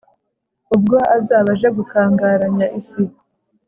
ubwo azaba aje gukangaranya isi